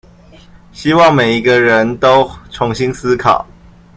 希望每一個人都重新思考